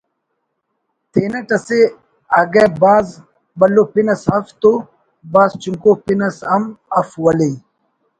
تینٹ اسہ اگہ بھاز بھلوپن اس اف تو بھاز چنکو پن اس ہم اف ولے